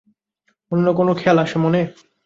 অন্য কোনও খেয়াল আসে মনে?